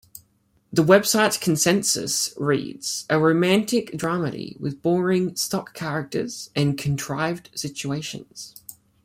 The website's consensus reads, A romantic dramedy with boring, stock characters and contrived situations.